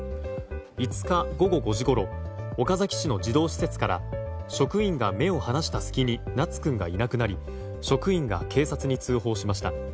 ５日午後５時ごろ岡崎市の児童施設から職員が目を離した隙に名都君がいなくなり職員が警察に通報しました。